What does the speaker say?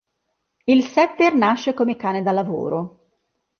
Il Setter nasce come cane da lavoro.